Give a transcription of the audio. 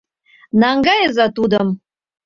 — Наҥгайыза, тудым!